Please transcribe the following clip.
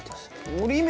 折り目！